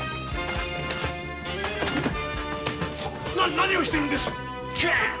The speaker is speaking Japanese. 何をしてるんです？！